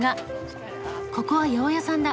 ここは八百屋さんだ。